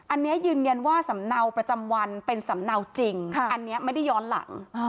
อันนี้ยืนยันว่าสำเนาประจำวันเป็นสำเนาจริงอันนี้ไม่ได้ย้อนหลัง